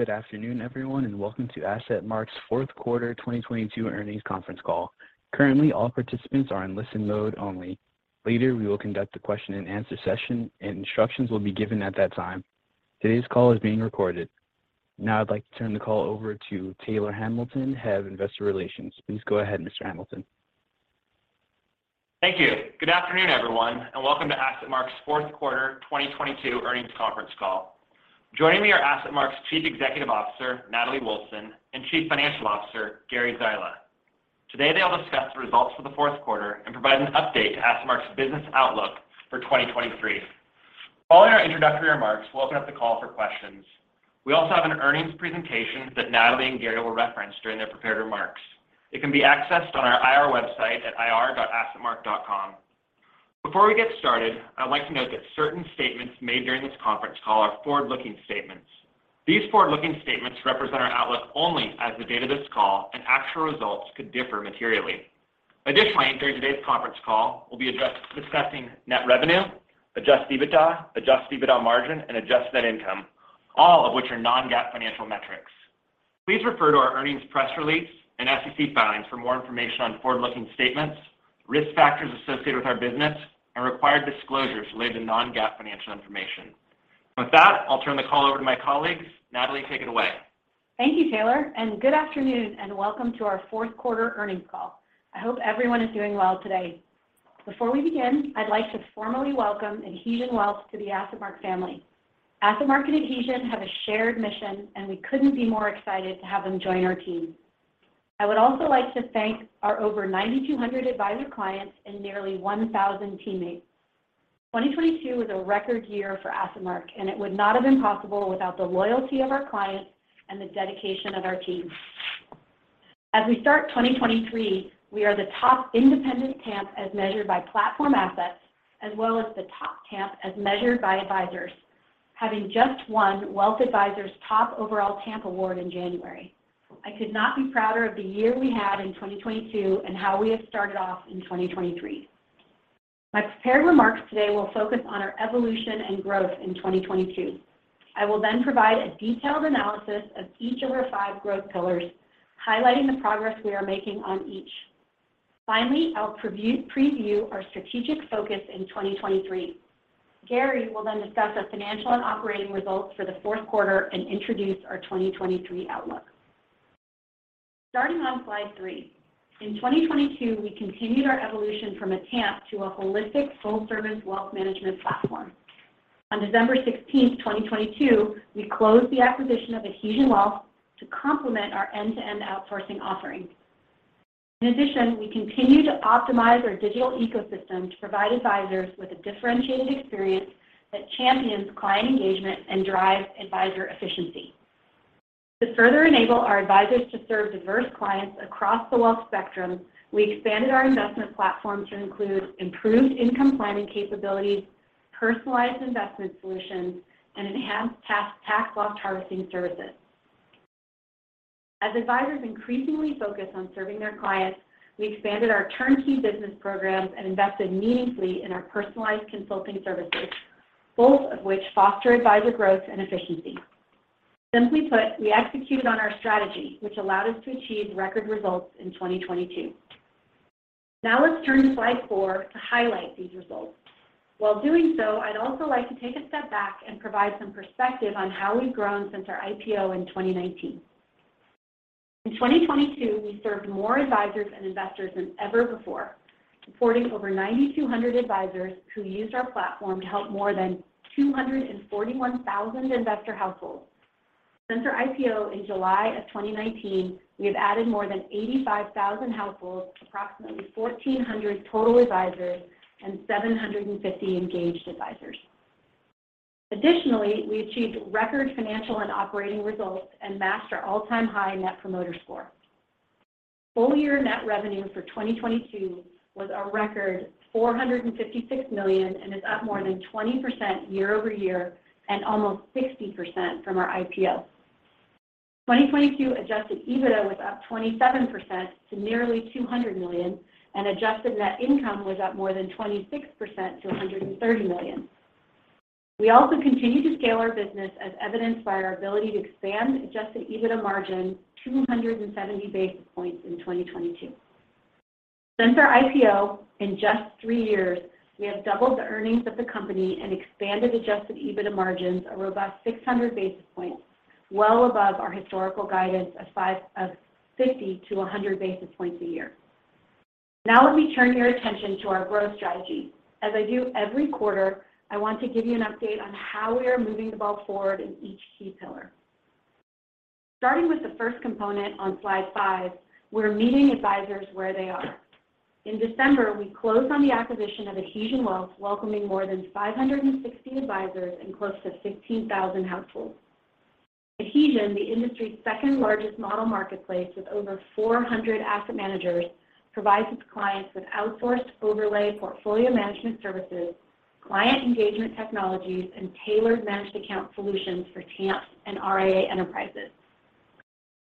Good afternoon, everyone, and welcome to AssetMark's Q4 2022 earnings conference call. Currently, all participants are in listen mode only. Later, we will conduct a question and answer session, and instructions will be given at that time. Today's call is being recorded. Now I'd like to turn the call over to Taylor Hamilton, Head of Investor Relations. Please go ahead, Mr. Hamilton. Thank you. Good afternoon, everyone. Welcome to AssetMark's Q4 2022 earnings conference call. Joining me are AssetMark's Chief Executive Officer, Natalie Wolfsen, and Chief Financial Officer, Gary Zyla. Today, they'll discuss the results for the Q4 and provide an update to AssetMark's business outlook for 2023. Following our introductory remarks, we'll open up the call for questions. We also have an earnings presentation that Natalie and Gary will reference during their prepared remarks. It can be accessed on our IR website at ir.assetmark.com. Before we get started, I'd like to note that certain statements made during this conference call are forward-looking statements. These forward-looking statements represent our outlook only as the date of this call, and actual results could differ materially. Additionally, during today's conference call, we'll be discussing net revenue, adjusted EBITDA, adjusted EBITDA margin, and adjusted net income, all of which are non-GAAP financial metrics. Please refer to our earnings press release and SEC filings for more information on forward-looking statements, risk factors associated with our business, and required disclosures related to non-GAAP financial information. With that, I'll turn the call over to my colleagues. Natalie, take it away. Thank you, Taylor, and good afternoon, and welcome to our Q4 earnings call. I hope everyone is doing well today. Before we begin, I'd like to formally welcome Adhesion Wealth to the AssetMark family. AssetMark and Adhesion have a shared mission, and we couldn't be more excited to have them join our team. I would also like to thank our over 9,200 advisor clients and nearly 1,000 teammates. 2022 was a record year for AssetMark, and it would not have been possible without the loyalty of our clients and the dedication of our team. As we start 2023, we are the top independent TAMP as measured by platform assets, as well as the top TAMP as measured by advisors, having just won WealthAdvisor's top overall TAMP award in January. I could not be prouder of the year we had in 2022 and how we have started off in 2023. My prepared remarks today will focus on our evolution and growth in 2022. I will then provide a detailed analysis of each of our 5 growth pillars, highlighting the progress we are making on each. Finally, I'll preview our strategic focus in 2023. Gary will then discuss our financial and operating results for the Q4 and introduce our 2023 outlook. Starting on slide 3. In 2022, we continued our evolution from a TAMP to a holistic full-service wealth management platform. On December 16, 2022, we closed the acquisition of Adhesion Wealth to complement our end-to-end outsourcing offering. In addition, we continue to optimize our digital ecosystem to provide advisors with a differentiated experience that champions client engagement and drives advisor efficiency. To further enable our advisors to serve diverse clients across the wealth spectrum, we expanded our investment platform to include improved income planning capabilities, personalized investment solutions, and enhanced tax loss harvesting services. As advisors increasingly focus on serving their clients, we expanded our turnkey business programs and invested meaningfully in our personalized consulting services, both of which foster advisor growth and efficiency. Simply put, we executed on our strategy, which allowed us to achieve record results in 2022. Let's turn to slide 4 to highlight these results. While doing so, I'd also like to take a step back and provide some perspective on how we've grown since our IPO in 2019. In 2022, we served more advisors and investors than ever before, supporting over 9,200 advisors who used our platform to help more than 241,000 investor households. Since our IPO in July of 2019, we have added more than 85,000 households to approximately 1,400 total advisors and 750 engaged advisors. Additionally, we achieved record financial and operating results and matched our all-time high net promoter score. Full-year net revenue for 2022 was a record $456 million and is up more than 20% year-over-year and almost 60% from our IPO. 2022 adjusted EBITDA was up 27% to nearly $200 million, and adjusted net income was up more than 26% to $130 million. We also continue to scale our business as evidenced by our ability to expand adjusted EBITDA margin 270 basis points in 2022. Since our IPO, in just three years, we have doubled the earnings of the company and expanded adjusted EBITDA margins a robust 600 basis points, well above our historical guidance of 50 to 100 basis points a year. Let me turn your attention to our growth strategy. As I do every quarter, I want to give you an update on how we are moving the ball forward in each key pillar. Starting with the first component on slide 5, we're meeting advisors where they are. In December, we closed on the acquisition of Adhesion Wealth, welcoming more than 560 advisors and close to 16,000 households. Adhesion, the industry's second-largest model marketplace with over 400 asset managers, provides its clients with outsourced overlay portfolio management services, client engagement technologies, and tailored managed account solutions for TAMP and RIA enterprises.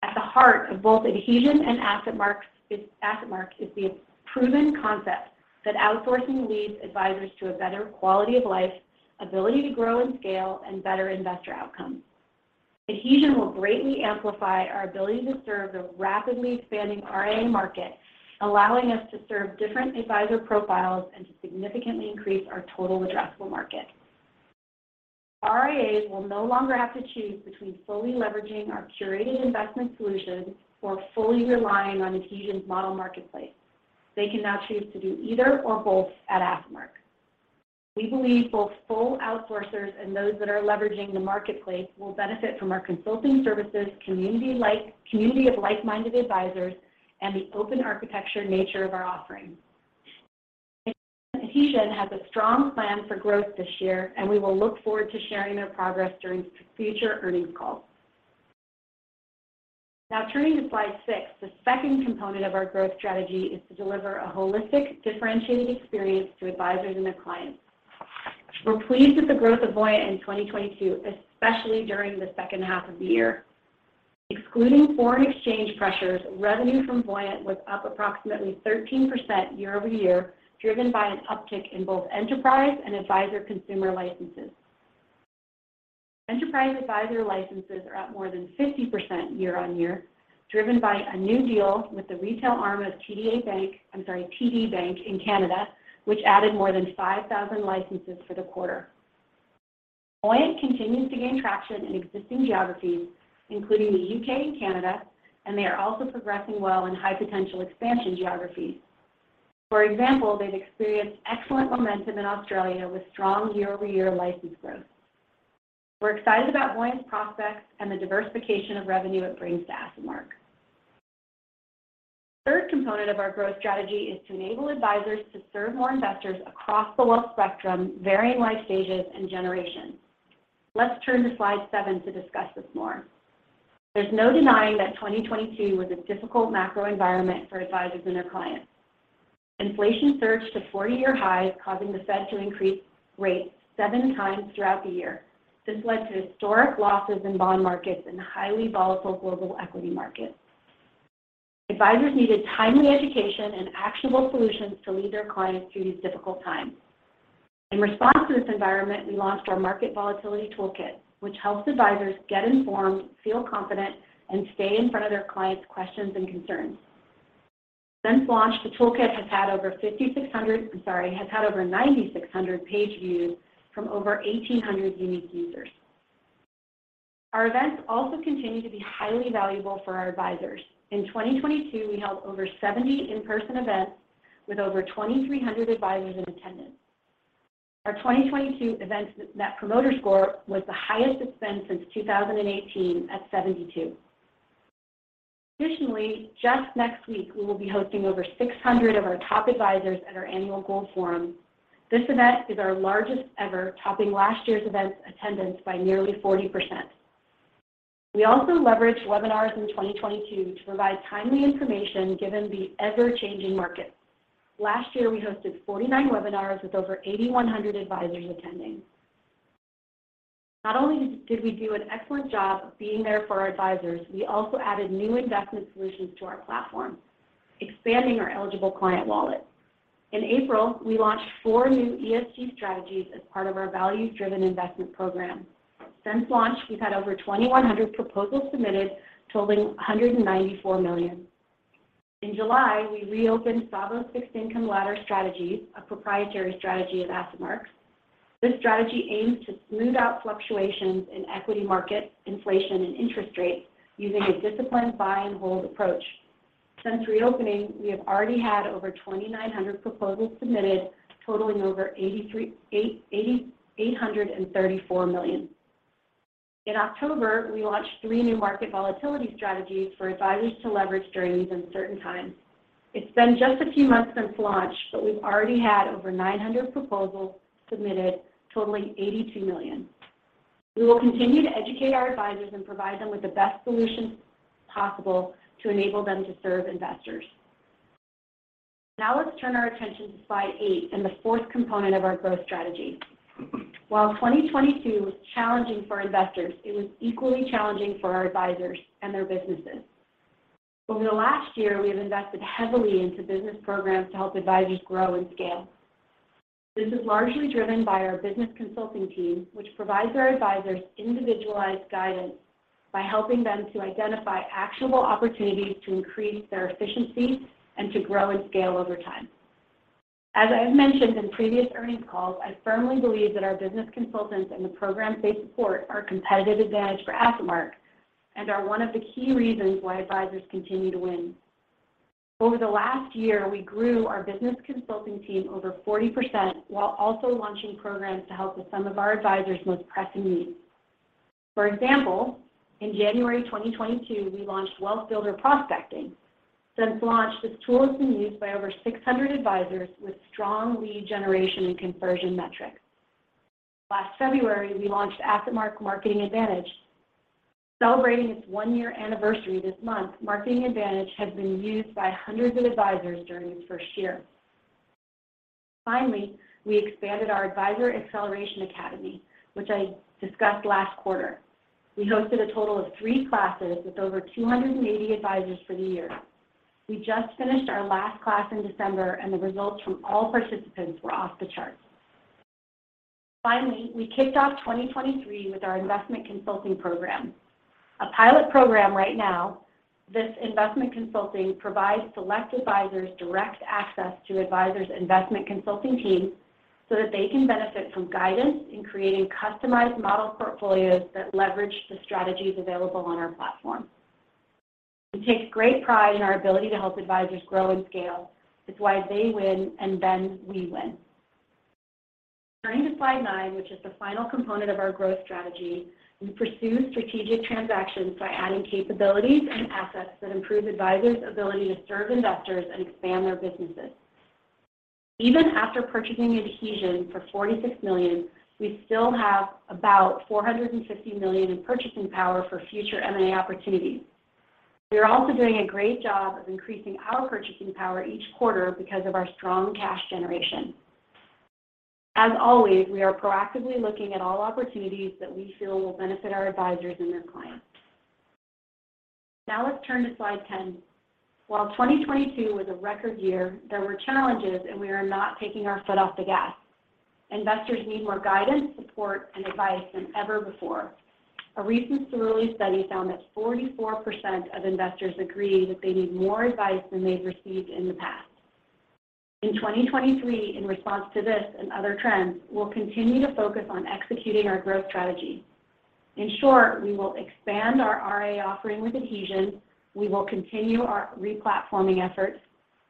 The heart of both Adhesion and AssetMark is the proven concept that outsourcing leads advisors to a better quality of life, ability to grow and scale, and better investor outcomes. Adhesion will greatly amplify our ability to serve the rapidly expanding RIA market, allowing us to serve different advisor profiles and to significantly increase our total addressable market. RIAs will no longer have to choose between fully leveraging our curated investment solutions or fully relying on Adhesion's model marketplace. They can now choose to do either or both at AssetMark. We believe both full outsourcers and those that are leveraging the marketplace will benefit from our consulting services, community of like-minded advisors, and the open architecture nature of our offerings. Adhesion has a strong plan for growth this year, and we will look forward to sharing their progress during future earnings calls. Turning to slide 6, the second component of our growth strategy is to deliver a holistic, differentiated experience to advisors and their clients. We're pleased with the growth of Voyant in 2022, especially during the second half of the year. Excluding foreign exchange pressures, revenue from Voyant was up approximately 13% year-over-year, driven by an uptick in both enterprise and advisor consumer licenses. Enterprise advisor licenses are up more than 50% year-over-year, driven by a new deal with the retail arm of TD Bank in Canada, which added more than 5,000 licenses for the quarter. Voyant continues to gain traction in existing geographies, including the U.K. and Canada. They are also progressing well in high-potential expansion geographies. For example, they've experienced excellent momentum in Australia with strong year-over-year license growth. We're excited about Voyant's prospects and the diversification of revenue it brings to AssetMark. Third component of our growth strategy is to enable advisors to serve more investors across the wealth spectrum, varying life stages, and generations. Let's turn to slide 7 to discuss this more. There's no denying that 2022 was a difficult macro environment for advisors and their clients. Inflation surged to 40-year highs, causing the Fed to increase rates seven times throughout the year. This led to historic losses in bond markets and highly volatile global equity markets. Advisors needed timely education and actionable solutions to lead their clients through these difficult times. In response to this environment, we launched our Market Volatility Toolkit, which helps advisors get informed, feel confident, and stay in front of their clients' questions and concerns. Since launch, the toolkit has had over 5,600, I'm sorry, has had over 9,600 page views from over 1,800 unique users. Our events also continue to be highly valuable for our advisors. In 2022, we held over 70 in-person events with over 2,300 advisors in attendance. Our 2022 event net promoter score was the highest it's been since 2018, at 72. Additionally, just next week, we will be hosting over 600 of our top advisors at our annual Gold Forum. This event is our largest ever, topping last year's event attendance by nearly 40%. We also leveraged webinars in 2022 to provide timely information, given the ever-changing market. Last year, we hosted 49 webinars with over 8,100 advisors attending. Not only did we do an excellent job of being there for our advisors, we also added new investment solutions to our platform, expanding our eligible client wallet. In April, we launched 4 new ESG strategies as part of our values-driven investment program. Since launch, we've had over 2,100 proposals submitted, totaling $194 million. In July, we reopened Savos' fixed income ladder strategies, a proprietary strategy of AssetMark's. This strategy aims to smooth out fluctuations in equity market, inflation, and interest rates using a disciplined buy and hold approach. Since reopening, we have already had over 2,900 proposals submitted, totaling over $834 million. In October, we launched three new market volatility strategies for advisors to leverage during these uncertain times. It's been just a few months since launch, but we've already had over 900 proposals submitted, totaling $82 million. We will continue to educate our advisors and provide them with the best solutions possible to enable them to serve investors. Let's turn our attention to slide 8 and the fourth component of our growth strategy. While 2022 was challenging for investors, it was equally challenging for our advisors and their businesses. Over the last year, we have invested heavily into business programs to help advisors grow and scale. This is largely driven by our business consulting team, which provides our advisors individualized guidance by helping them to identify actionable opportunities to increase their efficiency and to grow and scale over time. As I have mentioned in previous earnings calls, I firmly believe that our business consultants and the programs they support are a competitive advantage for AssetMark and are one of the key reasons why advisors continue to win. Over the last year, we grew our business consulting team over 40% while also launching programs to help with some of our advisors' most pressing needs. For example, in January 2022, we launched WealthBuilder Prospecting. Since launch, this tool has been used by over 600 advisors with strong lead generation and conversion metrics. Last February, we launched AssetMark Marketing Advantage. Celebrating its one-year anniversary this month, Marketing Advantage has been used by hundreds of advisors during its first year. Finally, we expanded our Advisor Acceleration Academy, which I discussed last quarter. We hosted a total of three classes with over 280 advisors for the year. We just finished our last class in December, and the results from all participants were off the charts. Finally, we kicked off 2023 with our investment consulting program. A pilot program right now, this investment consulting provides select advisors direct access to advisors' investment consulting team so that they can benefit from guidance in creating customized model portfolios that leverage the strategies available on our platform. We take great pride in our ability to help advisors grow and scale. It's why they win, and then we win. Turning to slide 9, which is the final component of our growth strategy, we pursue strategic transactions by adding capabilities and assets that improve advisors' ability to serve investors and expand their businesses. Even after purchasing Adhesion for $46 million, we still have about $450 million in purchasing power for future M&A opportunities. We are also doing a great job of increasing our purchasing power each quarter because of our strong cash generation. As always, we are proactively looking at all opportunities that we feel will benefit our advisors and their clients. Let's turn to slide 10. While 2022 was a record year, there were challenges, and we are not taking our foot off the gas. Investors need more guidance, support, and advice than ever before. A recent Cerulli study found that 44% of investors agree that they need more advice than they've received in the past. In 2023, in response to this and other trends, we'll continue to focus on executing our growth strategy. In short, we will expand our RIA offering with Adhesion, we will continue our replatforming efforts,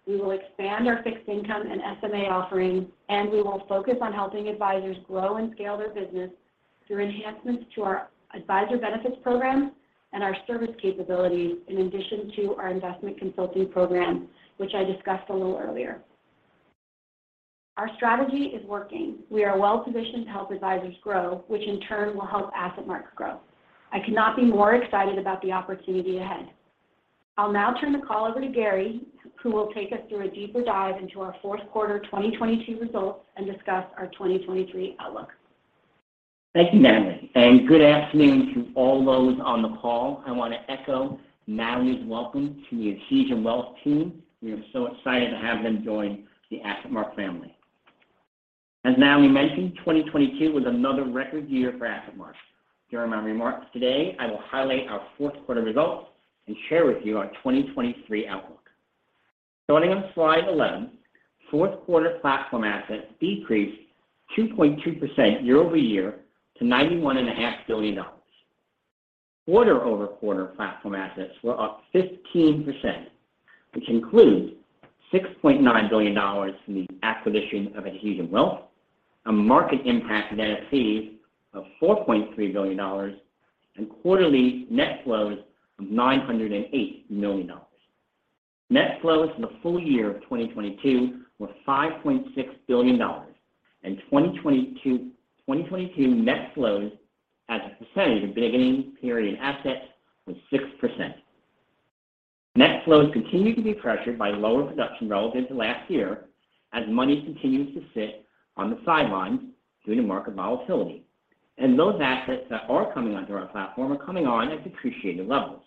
we will expand our fixed income and SMA offerings, and we will focus on helping advisors grow and scale their business through enhancements to our advisor benefits programs and our service capabilities, in addition to our investment consulting program, which I discussed a little earlier. Our strategy is working. We are well-positioned to help advisors grow, which in turn will help AssetMark grow. I could not be more excited about the opportunity ahead. I'll now turn the call over to Gary, who will take us through a deeper dive into our Q4 2022 results and discuss our 2023 outlook. Thank you, Natalie. Good afternoon to all those on the call. I want to echo Natalie's welcome to the Adhesion Wealth team. We are so excited to have them join the AssetMark family. As Natalie mentioned, 2022 was another record year for AssetMark. During my remarks today, I will highlight our Q4 results and share with you our 2023 outlook. Starting on slide 11, Q4 platform assets decreased 2.2% year-over-year to 91 and a half billion dollars. Quarter-over-quarter platform assets were up 15%, which includes $6.9 billion from the acquisition of Adhesion Wealth, a market impact net of fees of $4.3 billion, and quarterly net flows of $908 million. Net flows in the full year of 2022 were $5.6 billion, 2022 net flows as a percentage of beginning period assets was 6%. Net flows continue to be pressured by lower production relative to last year as money continues to sit on the sidelines due to market volatility. Those assets that are coming onto our platform are coming on at depreciated levels.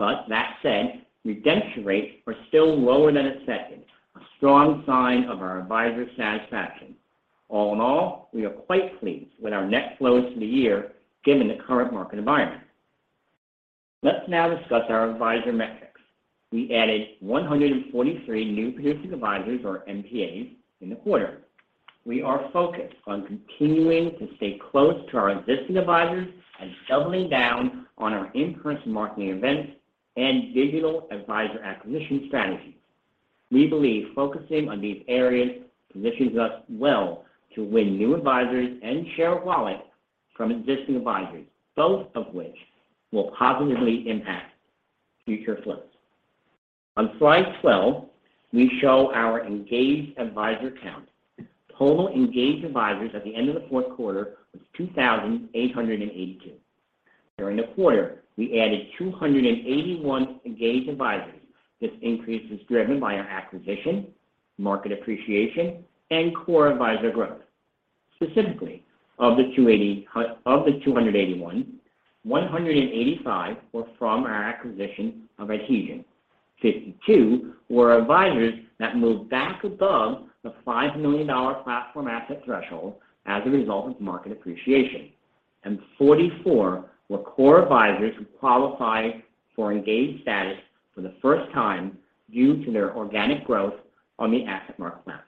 That said, redemption rates are still lower than expected, a strong sign of our advisors' satisfaction. All in all, we are quite pleased with our net flows for the year given the current market environment. Let's now discuss our advisor metrics. We added 143 New Producing Advisors, or NPAs, in the quarter. We are focused on continuing to stay close to our existing advisors and doubling down on our in-person marketing events and digital advisor acquisition strategies. We believe focusing on these areas positions us well to win new advisors and share wallet from existing advisors, both of which will positively impact future flows. On slide 12, we show our engaged advisor count. Total engaged advisors at the end of the Q was 2,882. During the quarter, we added 281 engaged advisors. This increase is driven by our acquisition, market appreciation, and core advisor growth. Specifically, of the 281, 185 were from our acquisition of Adhesion. 52 were advisors that moved back above the $5 million platform asset threshold as a result of market appreciation. 44 were core advisors who qualified for engaged status for the first time due to their organic growth on the AssetMark platform.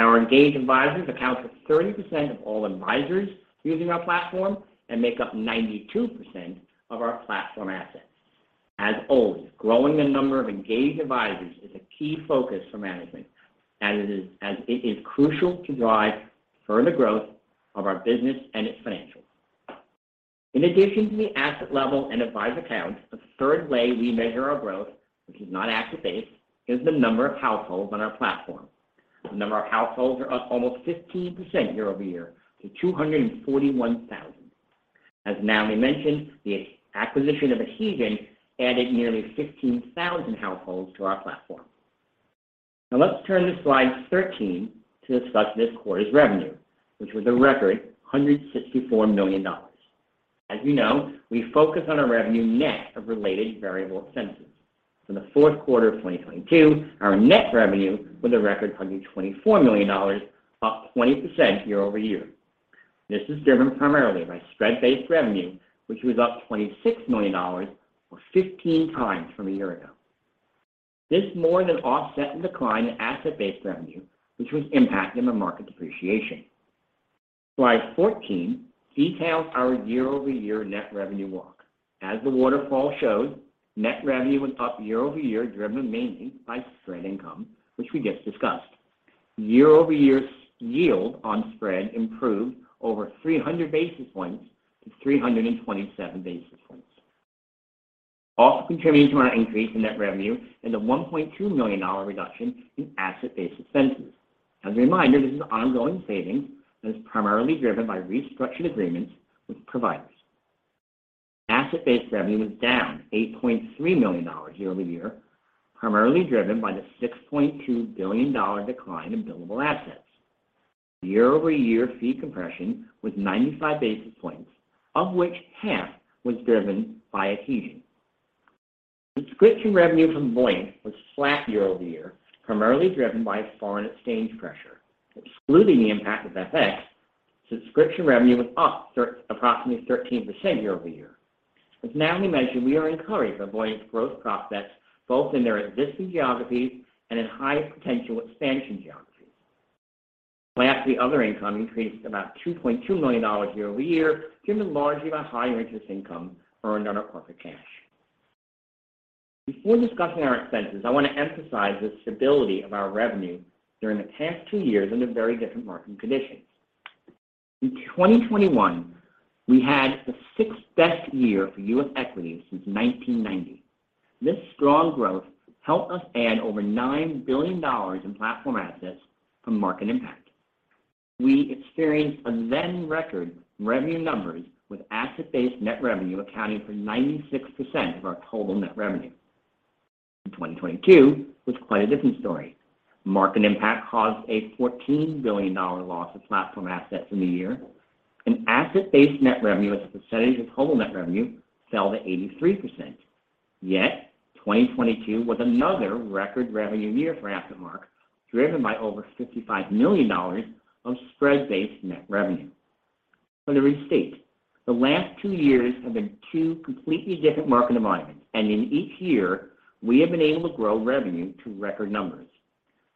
Our engaged advisors account for 30% of all advisors using our platform and make up 92% of our platform assets. As always, growing the number of engaged advisors is a key focus for management, as it is crucial to drive further growth of our business and its financials. In addition to the asset level and advisor count, a third way we measure our growth, which is not asset-based, is the number of households on our platform. The number of households are up almost 15% year-over-year to 241,000. As Naomi mentioned, the acquisition of Adhesion added nearly 15,000 households to our platform. Let's turn to slide 13 to discuss this quarter's revenue, which was a record $164 million. As you know, we focus on our revenue net of related variable expenses. In the Q4 of 2022, our net revenue was a record $124 million, up 20% year-over-year. This is driven primarily by spread-based revenue, which was up $26 million, or 15x from a year ago. This more than offset the decline in asset-based revenue, which was impacted by market depreciation. Slide 14 details our year-over-year net revenue walk. As the waterfall shows, net revenue was up year-over-year, driven mainly by spread income, which we just discussed. Year-over-year yield on spread improved over 300 basis points to 327 basis points. Contributing to our increase in net revenue is a $1.2 million reduction in asset-based expenses. As a reminder, this is ongoing savings that is primarily driven by restructured agreements with providers. Asset-based revenue was down $8.3 million year-over-year, primarily driven by the $6.2 billion decline in billable assets. Year-over-year fee compression was 95 basis points, of which half was driven by Adhesion. Subscription revenue from Voyant was flat year-over-year, primarily driven by foreign exchange pressure. Excluding the impact of FX, subscription revenue was up approximately 13% year-over-year. As Natalie mentioned, we are encouraged by Voyant's growth prospects, both in their existing geographies and in high-potential expansion geographies. Lastly, other income increased about $2.2 million year-over-year, driven largely by higher interest income earned on our corporate cash. Before discussing our expenses, I want to emphasize the stability of our revenue during the past two years under very different market conditions. In 2021, we had the sixth best year for U.S. equities since 1990. This strong growth helped us add over $9 billion in platform assets from market impact. We experienced a then record revenue numbers, with asset-based net revenue accounting for 96% of our total net revenue. In 2022 was quite a different story. Market impact caused a $14 billion loss of platform assets in the year, and asset-based net revenue as a percentage of total net revenue fell to 83%. Yet, 2022 was another record revenue year for AssetMark, driven by over $55 million of spread-based net revenue. To restate, the last two years have been two completely different market environments, and in each year, we have been able to grow revenue to record numbers.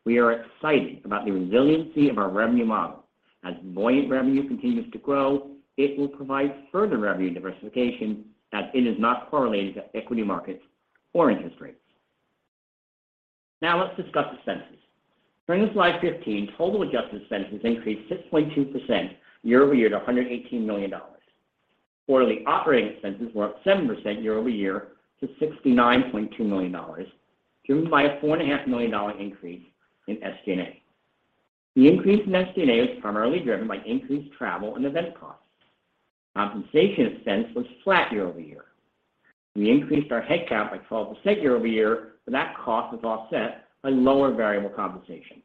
We are excited about the resiliency of our revenue model. As Voyant revenue continues to grow, it will provide further revenue diversification as it is not correlated to equity markets or interest rates. Let's discuss expenses. Turning to slide 15, total adjusted expenses increased 6.2% year-over-year to $118 million. Quarterly operating expenses were up 7% year-over-year to $69.2 million, driven by a $4.5 million increase in SG&A. The increase in SG&A was primarily driven by increased travel and event costs. Compensation expense was flat year-over-year. We increased our headcount by 12% year-over-year. That cost was offset by lower variable compensation.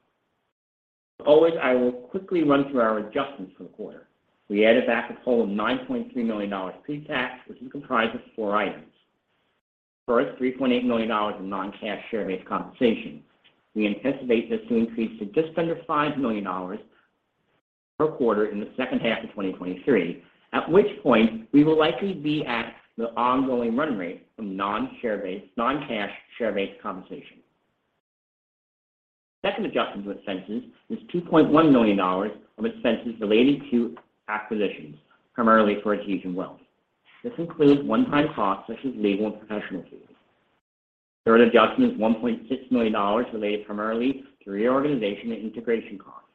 As always, I will quickly run through our adjustments for the quarter. We added back a total of $9.3 million pre-tax, which is comprised of four items. First, $3.8 million in non-cash share-based compensation. We anticipate this to increase to just under $5 million per quarter in the second half of 2023, at which point we will likely be at the ongoing run rate of non-cash share-based compensation. The second adjustment to expenses is $2.1 million of expenses related to acquisitions, primarily for Adhesion Wealth. This includes one-time costs such as legal and professional fees. The third adjustment is $1.6 million related primarily to reorganization and integration costs.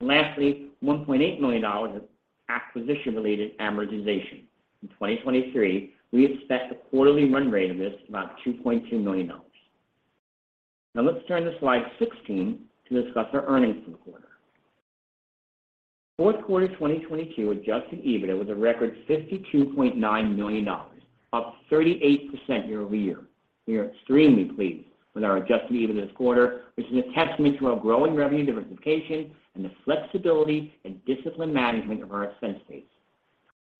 Lastly, $1.8 million of acquisition-related amortization. In 2023, we expect a quarterly run rate of this of about $2.2 million. Let's turn to slide 16 to discuss our earnings for the quarter. Q4 2022 adjusted EBITDA was a record $52.9 million, up 38% year-over-year. We are extremely pleased with our adjusted EBITDA this quarter, which is a testament to our growing revenue diversification and the flexibility and disciplined management of our expense base.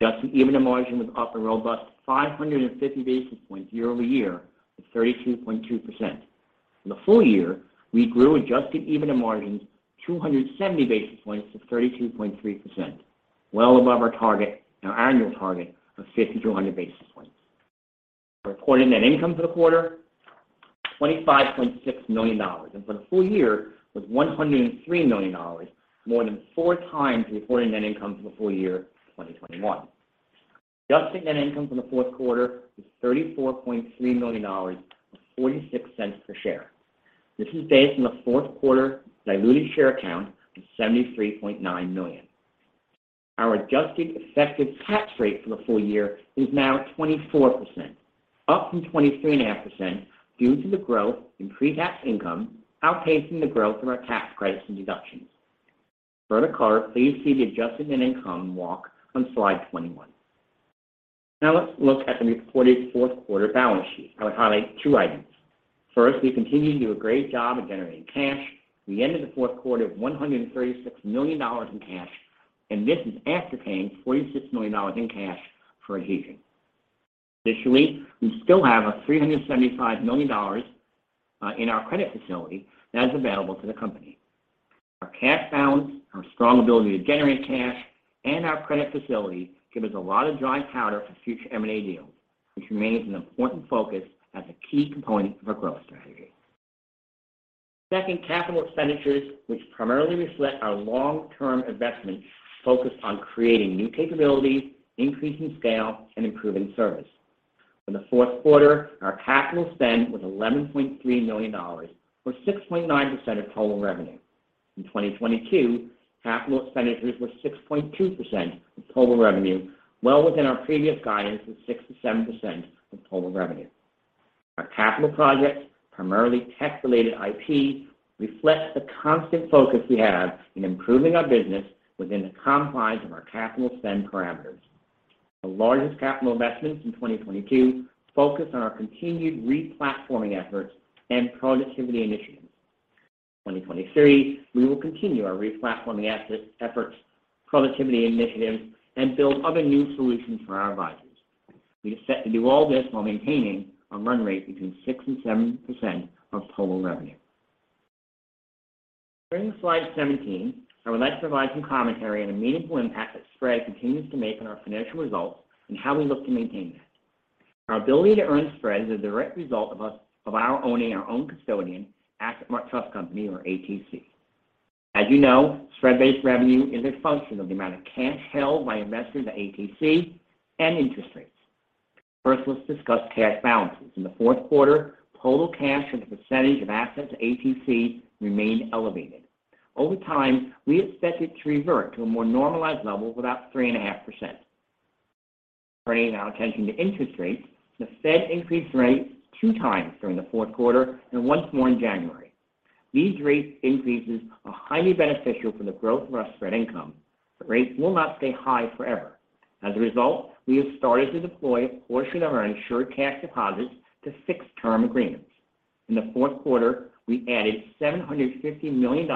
Adjusted EBITDA margin was up a robust 550 basis points year-over-year to 32.2%. For the full year, we grew adjusted EBITDA margin 270 basis points to 32.3%, well above our annual target of 50 to 100 basis points. Reported net income for the quarter, $25.6 million. For the full year, it was $103 million, more than 4x the reported net income for the full year 2021. Adjusted net income from the Q was $34.3 million, or $0.46 per share. This is based on the Q4 diluted share count of 73.9 million. Our adjusted effective tax rate for the full year is now 24%. Up from 23.5% due to the growth in pre-tax income outpacing the growth of our tax credits and deductions. For the CAGR, please see the adjusted net income walk on slide 21. Let's look at the reported Q4 balance sheet. I would highlight two items. First, we continue to do a great job of generating cash. We ended the Q4 of $136 million in cash, and this is after paying $46 million in cash for Adhesion. Additionally, we still have a $375 million in our credit facility that's available to the company. Our cash balance, our strong ability to generate cash, and our credit facility give us a lot of dry powder for future M&A deals, which remains an important focus as a key component of our growth strategy. Second, capital expenditures, which primarily reflect our long-term investment focused on creating new capabilities, increasing scale, and improving service. In the Q, our capital spend was $11.3 million, or 6.9% of total revenue. In 2022, capital expenditures were 6.2% of total revenue, well within our previous guidance of 6% to 7% of total revenue. Our capital projects, primarily tech-related IP, reflect the constant focus we have in improving our business within the confines of our capital spend parameters. The largest capital investments in 2022 focus on our continued re-platforming efforts and productivity initiatives. In 2023, we will continue our re-platforming efforts, productivity initiatives, and build other new solutions for our advisors. We expect to do all this while maintaining a run rate between 6% and 7% of total revenue. Turning to slide 17, I would like to provide some commentary on the meaningful impact that spread continues to make on our financial results and how we look to maintain that. Our ability to earn spread is a direct result of our owning our own custodian, AssetMark Trust Company, or ATC. As you know, spread-based revenue is a function of the amount of cash held by investors at ATC and interest rates. First, let's discuss cash balances. In the Q4, total cash as a % of assets at ATC remained elevated. Over time, we expect it to revert to a more normalized level about 3.5%. Turning our attention to interest rates, the Fed increased rates 2x during the Q4 and 1x in January. These rate increases are highly beneficial for the growth of our spread income, but rates will not stay high forever. As a result, we have started to deploy a portion of our insured cash deposits to fixed-term agreements. In the Q4, we added $750 million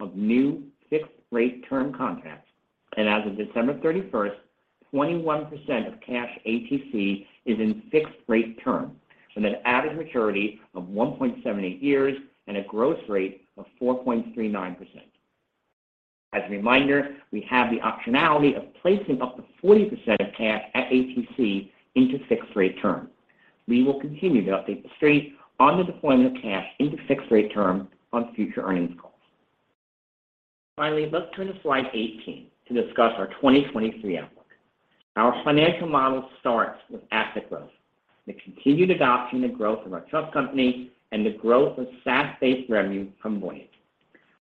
of new fixed-rate term contracts. As of December 31, 21% of cash at ATC is in fixed-rate term with an average maturity of 1.78 years and a gross rate of 4.39%. As a reminder, we have the optionality of placing up to 40% of cash at ATC into fixed-rate term. We will continue to update The Street on the deployment of cash into fixed-rate term on future earnings calls. Finally, let's turn to slide 18 to discuss our 2023 outlook. Our financial model starts with asset growth, the continued adoption and growth of our trust company, and the growth of SaaS-based revenue from Voyant.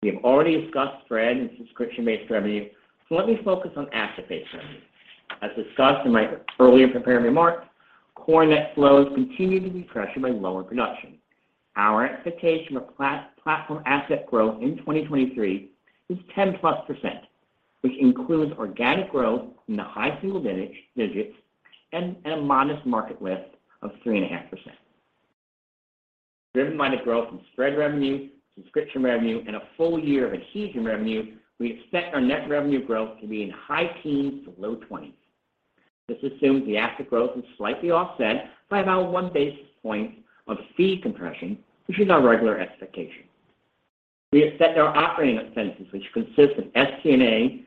We have already discussed spread and subscription-based revenue, so let me focus on asset-based revenue. As discussed in my earlier prepared remarks, core net flows continue to be pressured by lower production. Our expectation of platform asset growth in 2023 is 10+%, which includes organic growth in the high single digits and a modest market lift of 3.5%. Driven by the growth in spread revenue, subscription revenue, and a full year of Adhesion revenue, we expect our net revenue growth to be in high teens to low twenties. This assumes the asset growth is slightly offset by about 1 basis point of fee compression, which is our regular expectation. We expect our operating expenses, which consist of SG&A,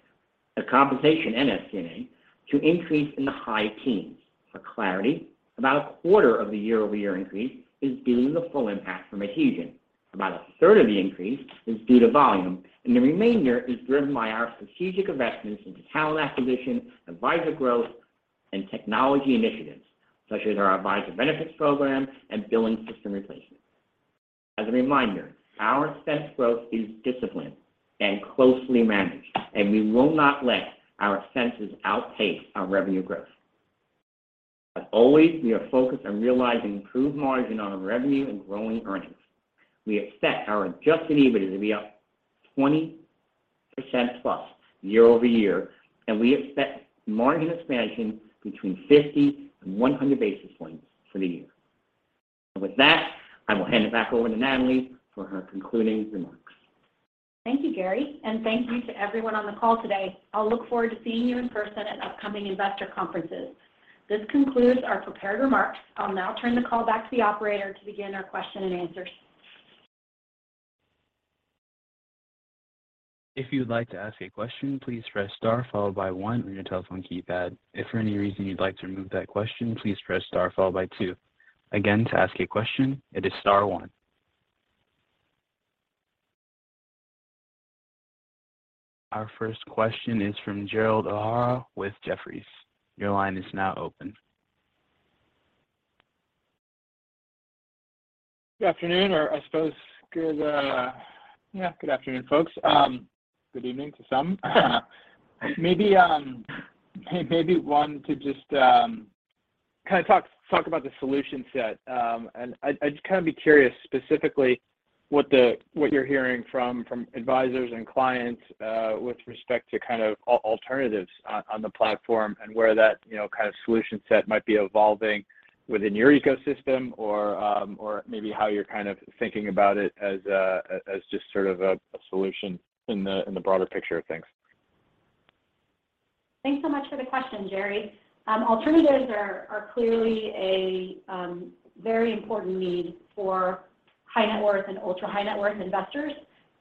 compensation and FC&A, to increase in the high teens. For clarity, about a quarter of the year-over-year increase is due to the full impact from Adhesion. About a third of the increase is due to volume, and the remainder is driven by our strategic investments into talent acquisition, advisor growth, and technology initiatives, such as our advisor benefits program and billing system replacement. As a reminder, our expense growth is disciplined and closely managed, and we will not let our expenses outpace our revenue growth. As always, we are focused on realizing improved margin on our revenue and growing earnings. We our adjusted EBITDA to be up 20%+ year-over-year, and we expect margin expansion between 50 and 100 basis points for the year. With that, I will hand it back over to Natalie for her concluding remarks. Thank you, Gary, and thank you to everyone on the call today. I'll look forward to seeing you in person at upcoming investor conferences. This concludes our prepared remarks. I'll now turn the call back to the operator to begin our question and answers. If you would like to ask a question, please press star followed by one on your telephone keypad. If for any reason you'd like to remove that question, please press star followed by two. Again, to ask a question, it is star one. Our first question is from Gerald O'Hara with Jefferies. Your line is now open. Good afternoon, or I suppose good, yeah, good afternoon, folks. Good evening to some. Maybe, maybe one to just, kinda talk about the solution set. I'd kinda be curious specifically what the... what you're hearing from advisors and clients, with respect to kind of alternatives on the platform and where that, you know, kind of solution set might be evolving within your ecosystem or maybe how you're kind of thinking about it as just sort of a solution in the, in the broader picture of things. Thanks so much for the question, Gerry. Alternatives are clearly a very important need for high net worth and ultra high net worth investors.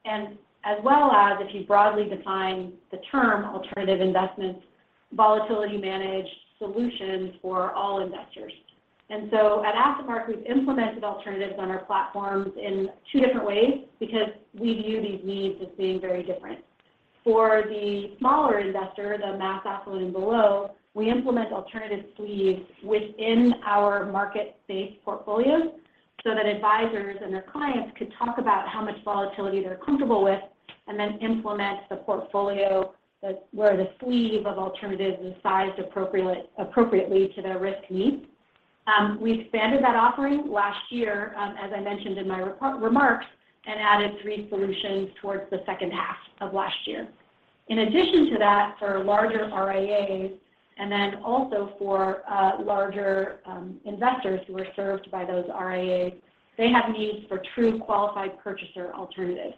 As well as if you broadly define the term alternative investments, volatility managed solutions for all investors. At AssetMark, we've implemented alternatives on our platforms in two different ways because we view these needs as being very different. For the smaller investor, the mass affluent and below, we implement alternative sleeves within our market-based portfolios so that advisors and their clients could talk about how much volatility they're comfortable with and then implement the portfolio that where the sleeve of alternatives is sized appropriately to their risk needs. We expanded that offering last year, as I mentioned in my remarks, and added three solutions towards the second half of last year. In addition to that, for larger RIAs, and then also for larger investors who are served by those RIAs, they have needs for true qualified purchaser alternatives.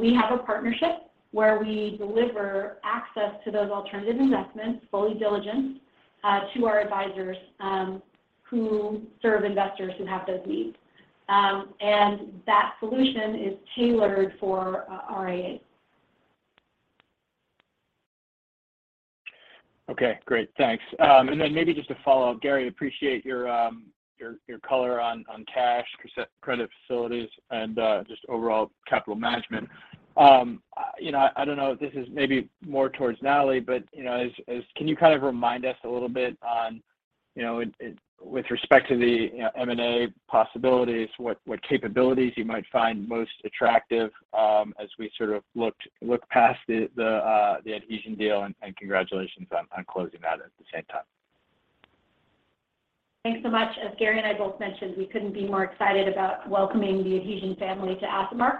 We have a partnership where we deliver access to those alternative investments, fully diligent, to our advisors who serve investors who have those needs. That solution is tailored for RIAs. Okay. Great. Thanks. Maybe just a follow-up. Gary, appreciate your color on cash, credit facilities, and just overall capital management. You know, I don't know if this is maybe more towards Natalie, but, you know, as Can you kind of remind us a little bit on, you know, it with respect to the, you know, M&A possibilities, what capabilities you might find most attractive, as we sort of look past the Adhesion deal, and congratulations on closing that at the same time. Thanks so much. As Gary and I both mentioned, we couldn't be more excited about welcoming the Adhesion family to AssetMark.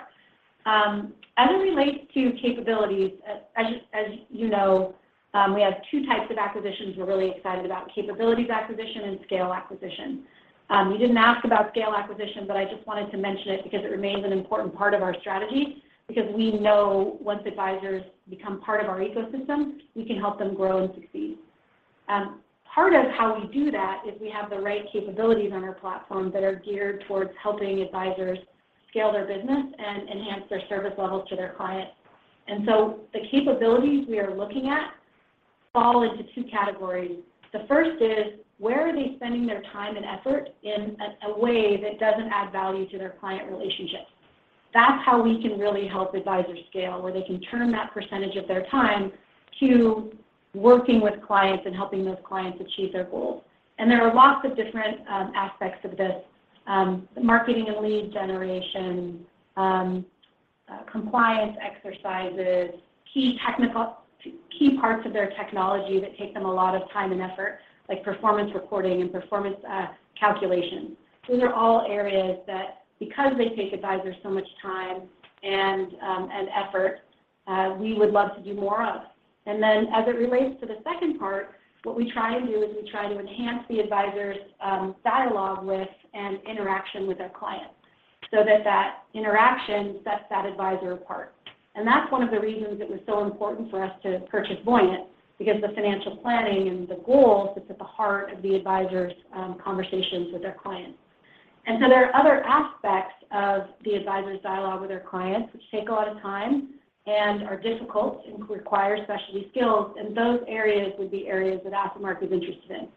As it relates to capabilities, as you know, we have two types of acquisitions we're really excited about, capabilities acquisition and scale acquisition. You didn't ask about scale acquisition, but I just wanted to mention it because it remains an important part of our strategy because we know once advisors become part of our ecosystem, we can help them grow and succeed. Part of how we do that is we have the right capabilities on our platform that are geared towards helping advisors scale their business and enhance their service levels to their clients. The capabilities we are looking at fall into two categories. The first is, where are they spending their time and effort in a way that doesn't add value to their client relationships? That's how we can really help advisors scale, where they can turn that percentage of their time to working with clients and helping those clients achieve their goals. There are lots of different aspects of this, marketing and lead generation, compliance exercises, key parts of their technology that take them a lot of time and effort, like performance reporting and performance calculation. These are all areas that because they take advisors so much time and effort, we would love to do more of. As it relates to the second part, what we try and do is we try to enhance the advisor's dialogue with and interaction with their clients so that that interaction sets that advisor apart. That's one of the reasons it was so important for us to purchase Voyant because the financial planning and the goals, it's at the heart of the advisor's conversations with their clients. There are other aspects of the advisor's dialogue with their clients which take a lot of time and are difficult and require specialty skills, and those areas would be areas that AssetMark is interested in.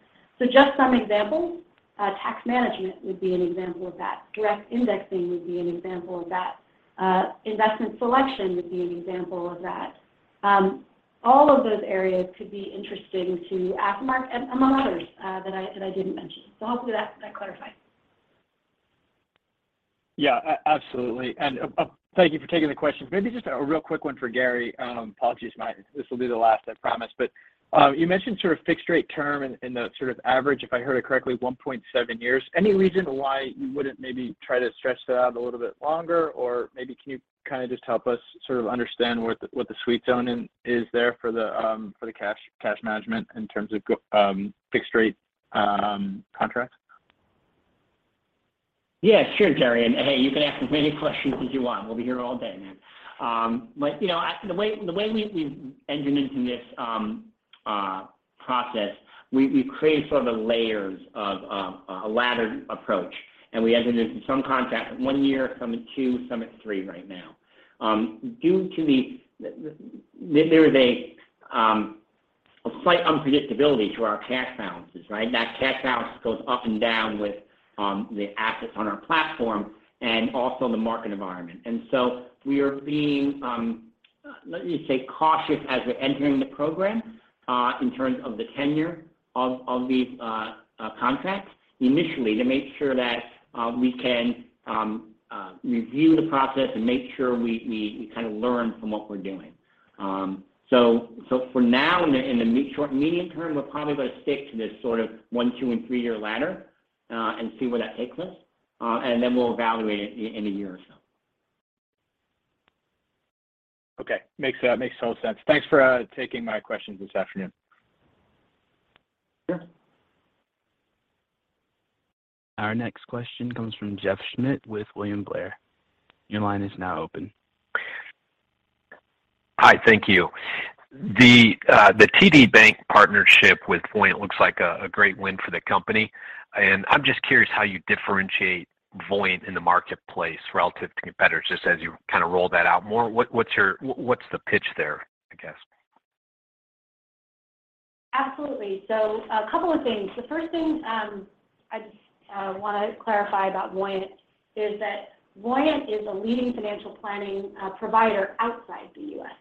Some examples, tax management would be an example of that. Direct indexing would be an example of that. Investment selection would be an example of that. All of those areas could be interesting to AssetMark among others, that I didn't mention. Hopefully that clarifies. Yeah. Absolutely. Thank you for taking the questions. Maybe just a real quick one for Gary. Apologies. This will be the last, I promise. You mentioned sort of fixed rate term and the sort of average, if I heard it correctly, 1.7 years. Any reason why you wouldn't maybe try to stretch that out a little bit longer, or maybe can you kinda just help us sort of understand what the sweet zone is there for the cash management in terms of fixed rate contracts? Yeah, sure, Jerry. Hey, you can ask as many questions as you want. We'll be here all day, man. You know, the way we've entered into this process, we've created sort of layers of a laddered approach, and we entered into some contracts of 1 year, some at 2, some at 3 right now. Due to the there is a slight unpredictability to our cash balances, right? That cash balance goes up and down with the assets on our platform and also the market environment. We are being cautious as we're entering the program in terms of the tenure of these contracts initially to make sure that we can review the process and make sure we kinda learn from what we're doing. For now, in the short and medium term, we're probably gonna stick to this sort of one, two, and three-year ladder and see where that takes us, and then we'll evaluate it in a year or so. Okay. Makes total sense. Thanks for taking my questions this afternoon. Sure. Our next question comes from Jeff Schmitt with William Blair. Your line is now open. Hi. Thank you. The TD Bank partnership with Voyant looks like a great win for the company, and I'm just curious how you differentiate Voyant in the marketplace relative to competitors, just as you kinda roll that out more. What's the pitch there, I guess? Absolutely. A couple of things. The first thing, I just wanna clarify about Voyant is that Voyant is a leading financial planning provider outside the U.S.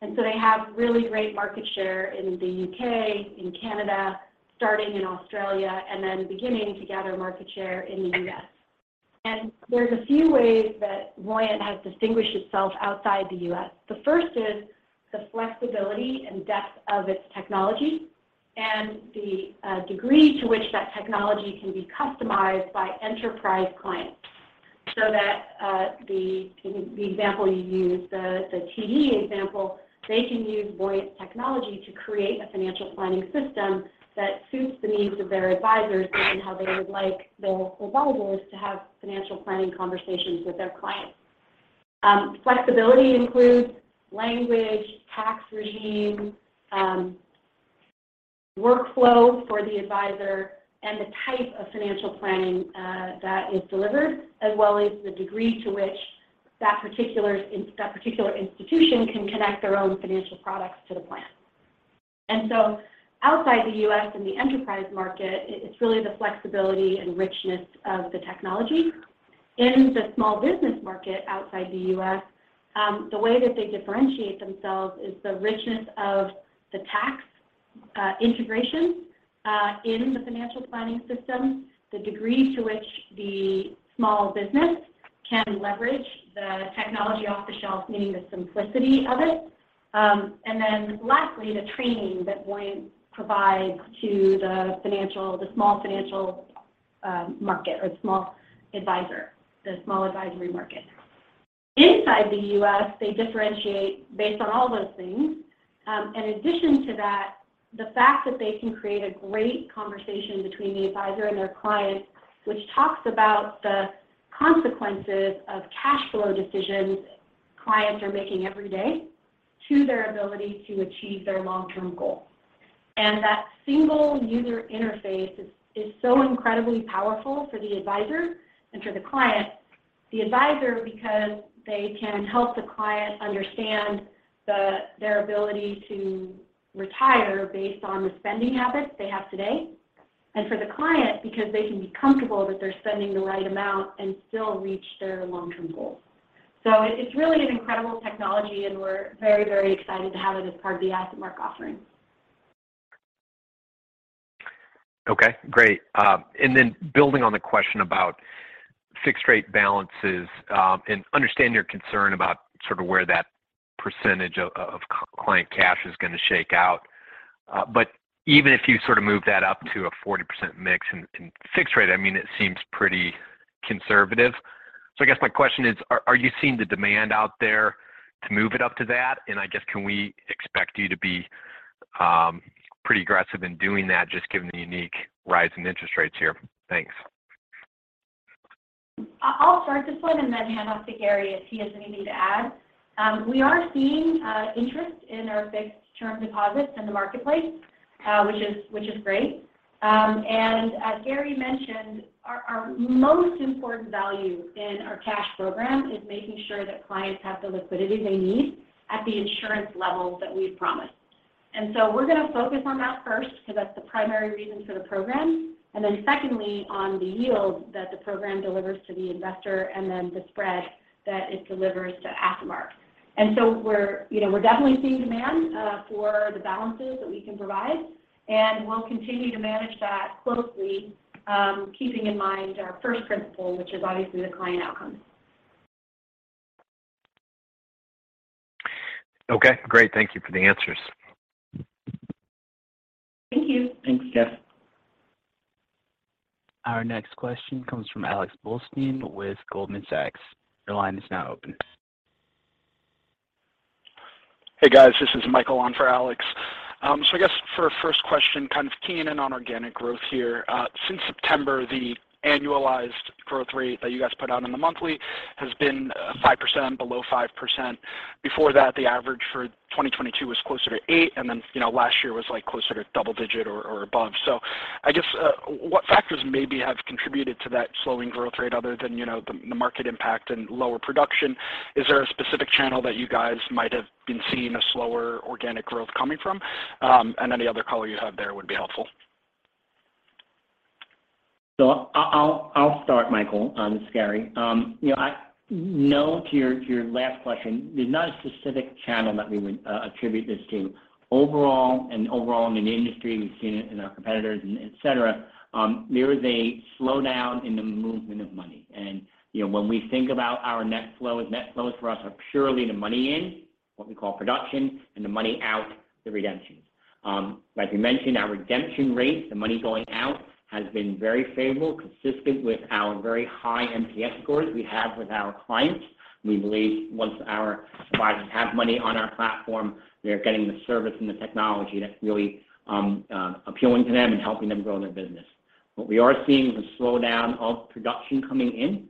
They have really great market share in the U.K., in Canada, starting in Australia, and then beginning to gather market share in the U.S. There's a few ways that Voyant has distinguished itself outside the U.S. The first is the flexibility and depth of its technology and the degree to which that technology can be customized by enterprise clients so that the example you used, the TD example, they can use Voyant technology to create a financial planning system that suits the needs of their advisors and how they would like their advisors to have financial planning conversations with their clients. Flexibility includes language, tax regime, workflow for the advisor, and the type of financial planning that is delivered, as well as the degree to which that particular institution can connect their own financial products to the plan. Outside the U.S. in the enterprise market, it's really the flexibility and richness of the technology. In the small business market outside the U.S., the way that they differentiate themselves is the richness of the tax integration in the financial planning system, the degree to which the small business can leverage the technology off the shelf, meaning the simplicity of it, and then lastly, the training that Voyant provides to the small financial market or small advisor, the small advisory market. Inside the U.S., they differentiate based on all those things. In addition to that, the fact that they can create a great conversation between the advisor and their client, which talks about the consequences of cash flow decisions clients are making every day to their ability to achieve their long-term goal. That single user interface is so incredibly powerful for the advisor and for the client, the advisor because they can help the client understand their ability to retire based on the spending habits they have today, and for the client because they can be comfortable that they're spending the right amount and still reach their long-term goals. It's really an incredible technology, and we're very excited to have it as part of the AssetMark offering. Okay. Great. Building on the question about fixed-rate balances, and understanding your concern about sort of where that percentage of client cash is gonna shake out. Even if you sort of move that up to a 40% mix in fixed rate, I mean, it seems pretty conservative. I guess my question is, are you seeing the demand out there to move it up to that? I guess, can we expect you to be pretty aggressive in doing that just given the unique rise in interest rates here? Thanks. I'll start this one and then hand off to Gary if he has anything to add. We are seeing interest in our fixed term deposits in the marketplace, which is great. As Gary mentioned, our most important value in our cash program is making sure that clients have the liquidity they need at the insurance levels that we've promised. So we're gonna focus on that first because that's the primary reason for the program, and then secondly, on the yield that the program delivers to the investor and then the spread that it delivers to AssetMark. So we're, you know, we're definitely seeing demand for the balances that we can provide, and we'll continue to manage that closely, keeping in mind our first principle, which is obviously the client outcomes. Okay. Great. Thank you for the answers. Thank you. Thanks, Jeff. Our next question comes from Alexander Blostein with Goldman Sachs. Your line is now open. Hey, guys. This is Michael on for Alex. I guess for a first question, kind of keying in on organic growth here. Since September, the annualized growth rate that you guys put out in the monthly has been 5%, below 5%. Before that, the average for 2022 was closer to 8%, and then, you know, last year was, like, closer to double digit or above. I guess what factors maybe have contributed to that slowing growth rate other than, you know, the market impact and lower production? Is there a specific channel that you guys might have been seeing a slower organic growth coming from? Any other color you have there would be helpful. I'll start, Michael, on this Gary. You know, I know to your last question, there's not a specific channel that we would attribute this to. Overall and overall in the industry, we've seen it in our competitors and et cetera, there is a slowdown in the movement of money. You know, when we think about our net flows, net flows for us are purely the money in, what we call production, and the money out, the redemptions. Like we mentioned, our redemption rates, the money going out, has been very favorable, consistent with our very high NPS scores we have with our clients. We believe once our advisors have money on our platform, they're getting the service and the technology that's really appealing to them and helping them grow their business. What we are seeing is a slowdown of production coming in.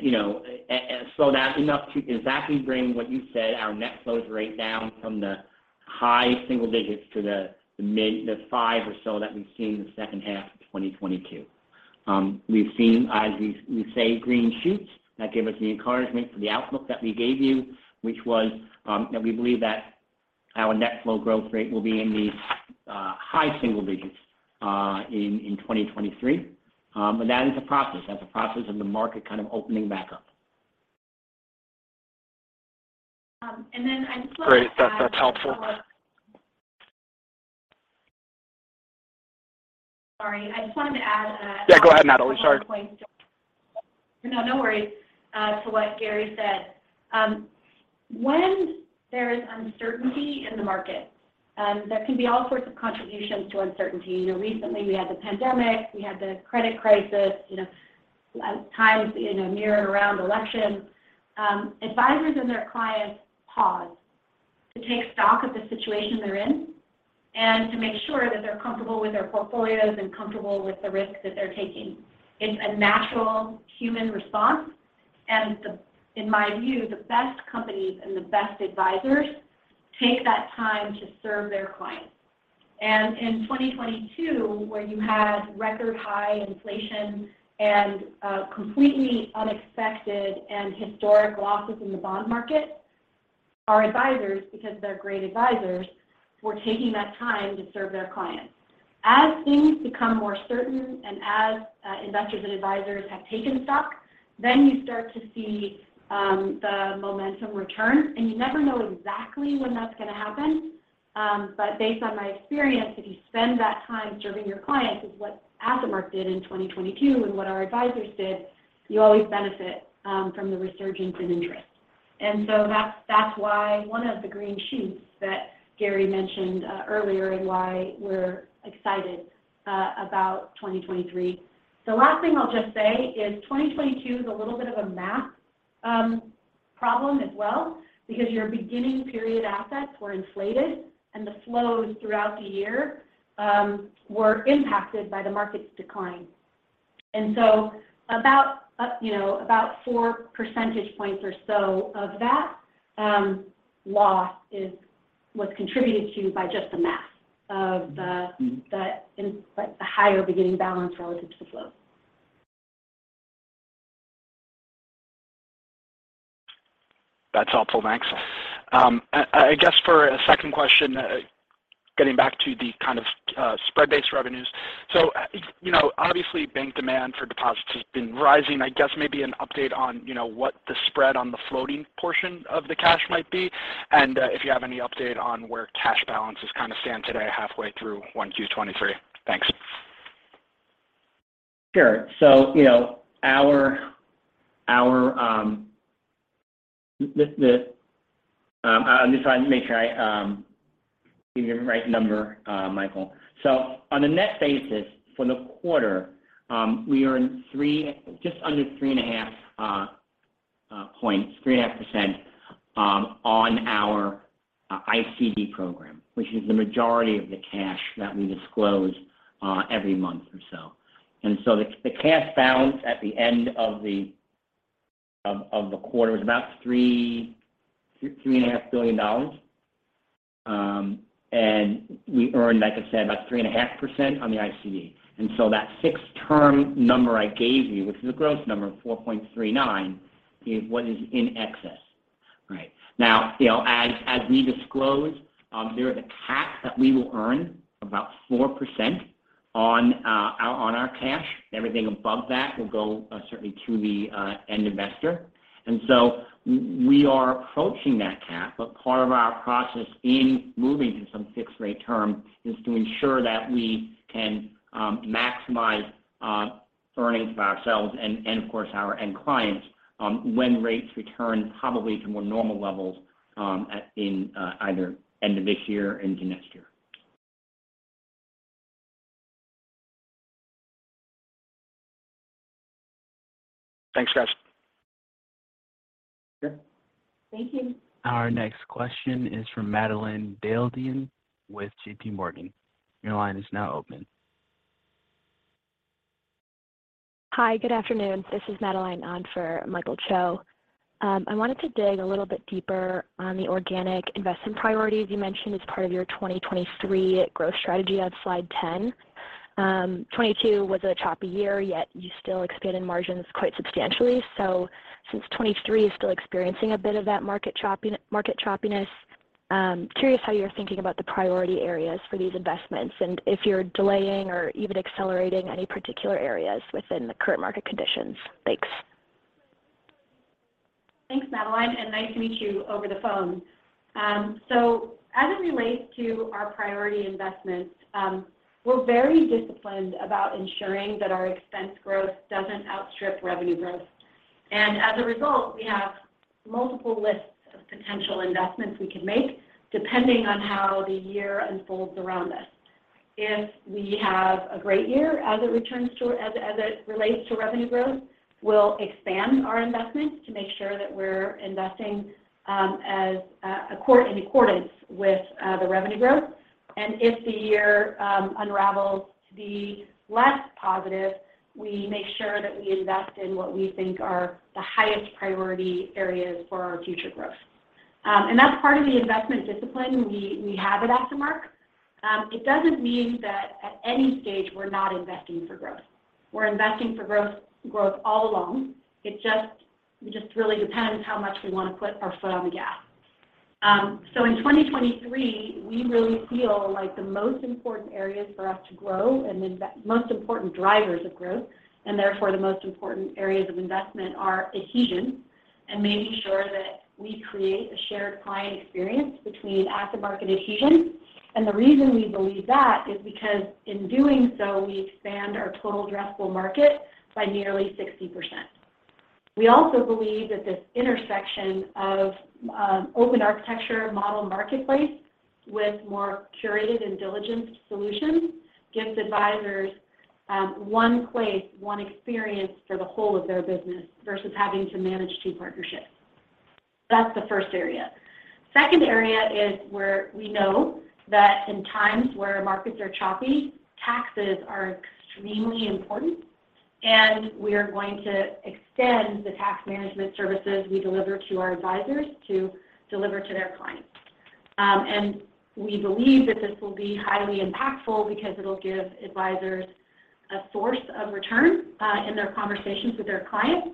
You know, a slowdown enough to exactly bring what you said, our net flows rate down from the high single digits to the mid, the 5 or so that we've seen in the second half of 2022. We've seen, as we say, green shoots that give us the encouragement for the outlook that we gave you, which was, that we believe that our net flow growth rate will be in the high single digits in 2023. That is a process. That's a process of the market kind of opening back up. Then I just wanted to add- Great. That's helpful. Sorry. I just wanted to add. Yeah, go ahead, Natalie. Sorry. No, no worries. To what Gary said. When there is uncertainty in the market, there can be all sorts of contributions to uncertainty. You know, recently we had the pandemic, we had the credit crisis. You know, times, you know, near and around elections, advisors and their clients pause to take stock of the situation they're in and to make sure that they're comfortable with their portfolios and comfortable with the risk that they're taking. It's a natural human response. In my view, the best companies and the best advisors take that time to serve their clients. In 2022, where you had record high inflation and completely unexpected and historic losses in the bond market, our advisors, because they're great advisors, were taking that time to serve their clients. As things become more certain and as investors and advisors have taken stock, then you start to see the momentum return. You never know exactly when that's gonna happen. Based on my experience, if you spend that time serving your clients, is what AssetMark did in 2022 and what our advisors did, you always benefit from the resurgence in interest. That's why one of the green shoots that Gary mentioned earlier and why we're excited about 2023. The last thing I'll just say is 2022 is a little bit of a math problem as well because your beginning period assets were inflated and the flows throughout the year were impacted by the market's decline. About, you know, about 4 percentage points or so of that, loss was contributed to by just the math of the, the higher beginning balance relative to the flow. That's helpful. Thanks. I guess for a second question, getting back to the kind of, spread-based revenues. You know, obviously bank demand for deposits has been rising. I guess maybe an update on, you know, what the spread on the floating portion of the cash might be, and, if you have any update on where cash balances kind of stand today halfway through 1Q 2023. Thanks. Sure. You know, our, I'm just trying to make sure I give you the right number, Michael. On a net basis for the quarter, we earned just under 3.5 points, 3.5%, on our ICD program, which is the majority of the cash that we disclose every month or so. The cash balance at the end of the quarter was about $3.5 billion. We earned, like I said, about 3.5% on the ICD. That 6th term number I gave you, which is a gross number of 4.39, is what is in excess. Right. You know, as we disclosed, there is a cap that we will earn about 4% on our cash. Everything above that will go certainly to the end investor. We are approaching that cap, but part of our process in moving to some fixed rate term is to ensure that we can maximize earnings for ourselves and of course our end clients, when rates return probably to more normal levels in either end of this year into next year. Thanks, guys. Sure. Thank you. Our next question is from Madeline Skuza with J.P. Morgan. Your line is now open. Hi, good afternoon. This is Madeline on for Michael Cho. I wanted to dig a little bit deeper on the organic investment priorities you mentioned as part of your 2023 growth strategy on slide 10. 2022 was a choppy year, yet you still expanded margins quite substantially. Since 2023 is still experiencing a bit of that market choppiness, curious how you're thinking about the priority areas for these investments and if you're delaying or even accelerating any particular areas within the current market conditions. Thanks. Thanks, Madeline. Nice to meet you over the phone. As it relates to our priority investments, we're very disciplined about ensuring that our expense growth doesn't outstrip revenue growth. As a result, we have multiple lists of potential investments we can make depending on how the year unfolds around us. If we have a great year as it relates to revenue growth, we'll expand our investments to make sure that we're investing in accordance with the revenue growth. If the year unravels to be less positive, we make sure that we invest in what we think are the highest priority areas for our future growth. That's part of the investment discipline we have at AssetMark. It doesn't mean that at any stage we're not investing for growth. We're investing for growth all along. It just really depends how much we wanna put our foot on the gas. In 2023, we really feel like the most important areas for us to grow and most important drivers of growth, and therefore the most important areas of investment are Adhesion and making sure that we create a shared client experience between AssetMark Adhesion. The reason we believe that is because in doing so, we expand our total addressable market by nearly 60%. We also believe that this intersection of open architecture model marketplace with more curated and diligenced solutions gives advisors one place, one experience for the whole of their business versus having to manage two partnerships. That's the first area. Second area is where we know that in times where markets are choppy, taxes are extremely important, and we are going to extend the tax management services we deliver to our advisors to deliver to their clients. We believe that this will be highly impactful because it'll give advisors a source of return in their conversations with their clients.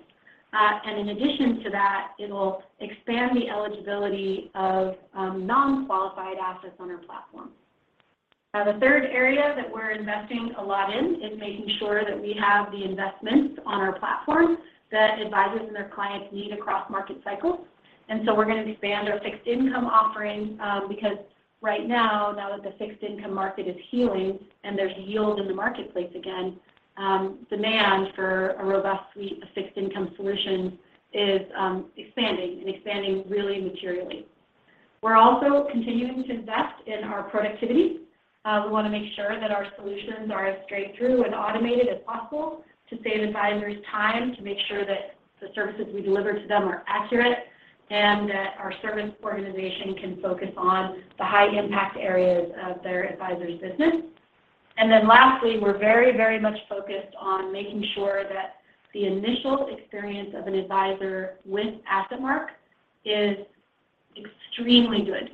In addition to that, it'll expand the eligibility of non-qualified assets on our platform. The third area that we're investing a lot in is making sure that we have the investments on our platform that advisors and their clients need across market cycles. We're gonna expand our fixed income offering, because right now that the fixed income market is healing and there's yield in the marketplace again, demand for a robust suite of fixed income solutions is expanding really materially. We're also continuing to invest in our productivity. We wanna make sure that our solutions are as straight through and automated as possible to save advisors time, to make sure that the services we deliver to them are accurate, and that our service organization can focus on the high impact areas of their advisors' business. Lastly, we're very much focused on making sure that the initial experience of an advisor with AssetMark is extremely good.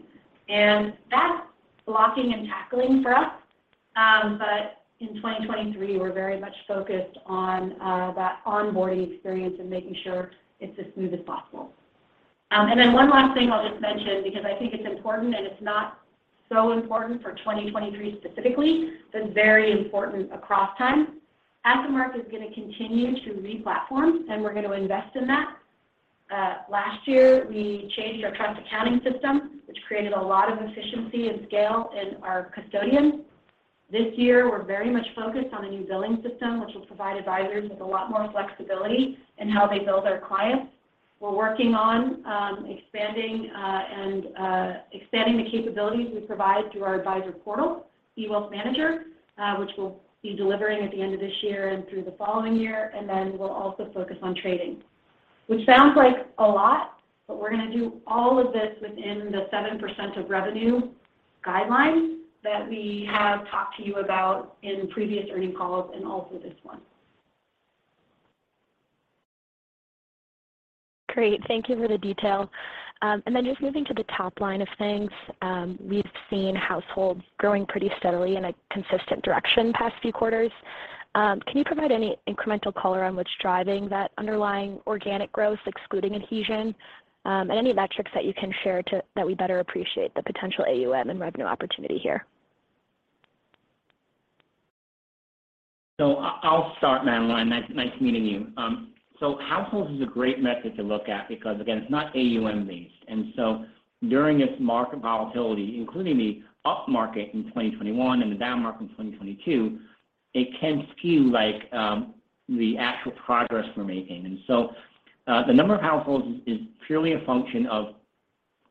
That's blocking and tackling for us. In 2023, we're very much focused on that onboarding experience and making sure it's as smooth as possible. One last thing I'll just mention because I think it's important and it's not so important for 2023 specifically, but very important across time. AssetMark is gonna continue to re-platform, we're going to invest in that. Last year, we changed our trust accounting system, which created a lot of efficiency and scale in our custodian. This year, we're very much focused on a new billing system, which will provide advisors with a lot more flexibility in how they build their clients. We're working on expanding the capabilities we provide through our advisor portal, eWealthManager, which we'll be delivering at the end of this year and through the following year. Then we'll also focus on trading, which sounds like a lot, but we're gonna do all of this within the 7% of revenue guidelines that we have talked to you about in previous earnings calls and also this one. Great. Thank you for the detail. Then just moving to the top line of things, we've seen households growing pretty steadily in a consistent direction past few quarters. Can you provide any incremental color on what's driving that underlying organic growth, excluding Adhesion, any metrics that you can share that we better appreciate the potential AUM and revenue opportunity here? I'll start, Madeline. Nice meeting you. Households is a great metric to look at because again, it's not AUM-based. During this market volatility, including the upmarket in 2021 and the downmarket in 2022, it can skew, like, the actual progress we're making. The number of households is purely a function of,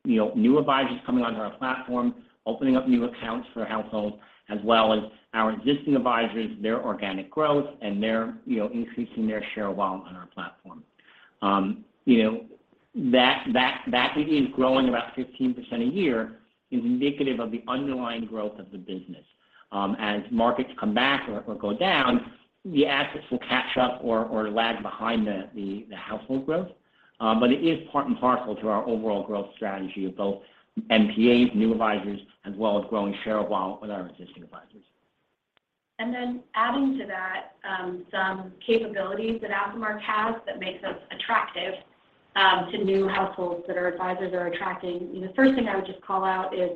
you know, new advisors coming onto our platform, opening up new accounts for households, as well as our existing advisors, their organic growth, and they're, you know, increasing their share of wealth on our platform. You know, that it is growing about 15% a year is indicative of the underlying growth of the business. As markets come back or go down, the assets will catch up or lag behind the household growth. It is part and parcel to our overall growth strategy of both NPAs, new advisors, as well as growing share of wealth with our existing advisors. Adding to that, some capabilities that AssetMark has that makes us attractive to new households that our advisors are attracting. The first thing I would just call out is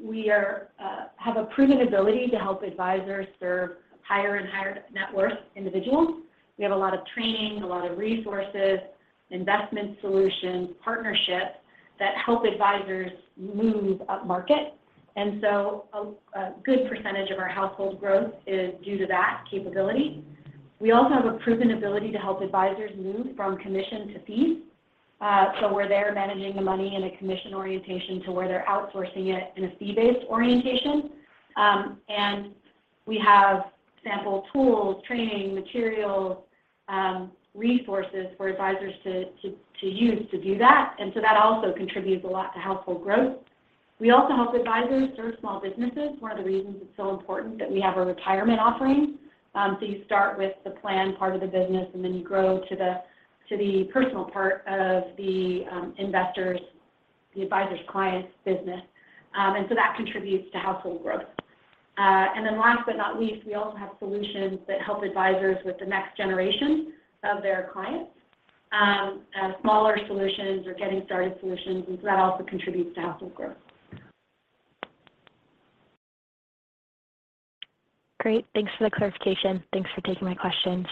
we have a proven ability to help advisors serve higher and higher net worth individuals. We have a lot of training, a lot of resources, investment solutions, partnerships that help advisors move up market. A good % of our household growth is due to that capability. We also have a proven ability to help advisors move from commission to fees. We're there managing the money in a commission orientation to where they're outsourcing it in a fee-based orientation. We have sample tools, training materials, resources for advisors to use to do that. That also contributes a lot to household growth. We also help advisors serve small businesses. One of the reasons it's so important that we have a retirement offering. You start with the plan part of the business, and then you grow to the, to the personal part of the, investors, the advisor's client's business. That contributes to household growth. Last but not least, we also have solutions that help advisors with the next generation of their clients, smaller solutions or getting started solutions, that also contributes to household growth. Great. Thanks for the clarification. Thanks for taking my questions.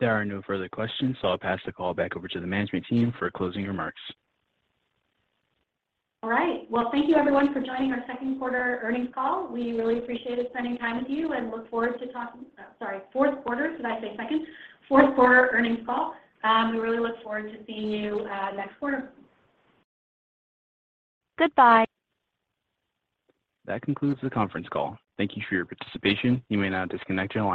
There are no further questions, so I'll pass the call back over to the management team for closing remarks. All right. Well, thank you everyone for joining our second quarter earnings call. We really appreciate spending time with you and look forward to talking... sorry, Q. Did I say second? Q earnings call. We really look forward to seeing you next quarter. Goodbye. That concludes the conference call. Thank you for your participation. You may now disconnect your lines.